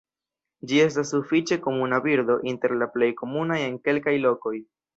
Ĝi estas sufiĉe komuna birdo, inter la plej komunaj en kelkaj lokoj.